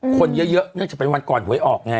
คนเยอะเนื่องจากเป็นวันก่อนหวยออกไง